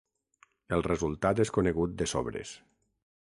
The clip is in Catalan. El resultat és conegut de sobres.